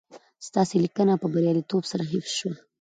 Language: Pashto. ستاسي لېنکه په برياليتوب سره حفظ شوه